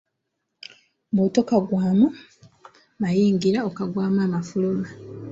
Bw'otokagwamu mayingira okagwamu amafuluma.